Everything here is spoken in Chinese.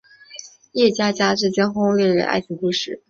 叶家家之间轰轰烈烈的爱情故事。